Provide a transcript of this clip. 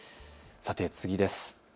さて次です。